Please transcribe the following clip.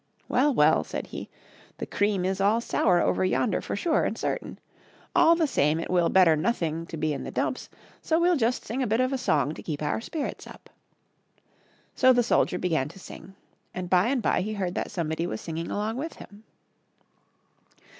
" Well 1 well !" said he, " the cream is all sour over yonder for sure and cer tain ! All the same it will better nothing to be in the dumps, so we'll just sing a bit of a song to keep our spirits up." So the soldier began to sing, and by and by he heard that somebody was singing along with him.